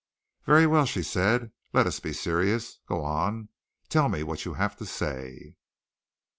"Very well," she said, "let us be serious. Go on. Tell me what you have to say."